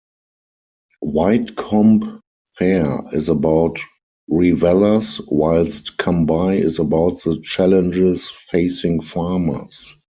"Widecombe Fair" is about revellers, whilst "Come By" is about the "challenges facing farmers.